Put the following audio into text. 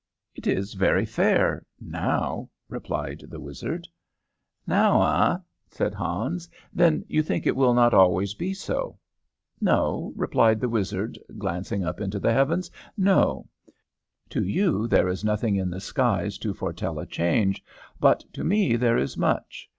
"It is very fair now," replied the wizard. "Now, eh?" said Hans. "Then you think it will not always be so?" "No," replied the wizard, glancing up into the heavens. "No. To you there is nothing in the skies to foretell a change, but to me there is much.